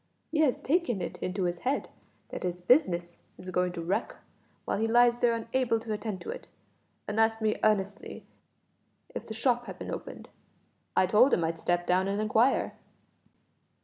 He has taken it into his head that his business is going to wreck while he lies there unable to attend to it, and asked me earnestly if the shop had been opened. I told him I'd step down and inquire."